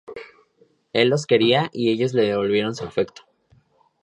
Él los quería y ellos le devolvieron su afecto.